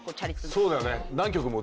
そうだね。